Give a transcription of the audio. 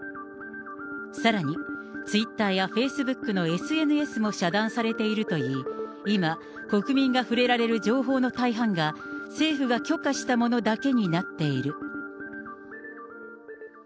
さらに、ツイッターやフェイスブックのＳＮＳも遮断されているといい、今、国民が触れられる情報の大半が、政府が許可したものだけになっている。